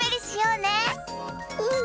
うん！